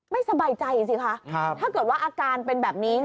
ไม่สบายใจสิคะถ้าเกิดว่าอาการเป็นแบบนี้